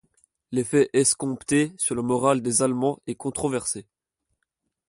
L'effet escompté sur le moral des Allemands est controversé.